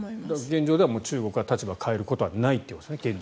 現状では中国は立場を変えることはないということですね。